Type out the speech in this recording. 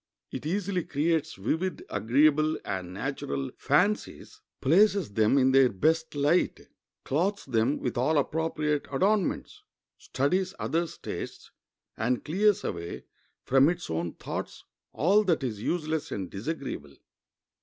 It easily creates vivid, agreeable, and natural fancies, places them in their best light, clothes them with all appropriate adornments, studies others' tastes, and clears away from its own thoughts all that is useless and disagreeable.